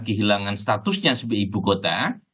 kehilangan statusnya sebagai ibukota